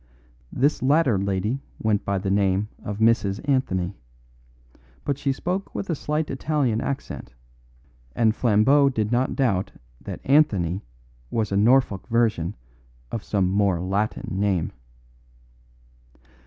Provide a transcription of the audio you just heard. This latter lady went by the name of Mrs. Anthony, but she spoke with a slight Italian accent, and Flambeau did not doubt that Anthony was a Norfolk version of some more Latin name.